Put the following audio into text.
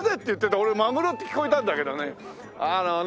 俺マグロって聞こえたんだけどね。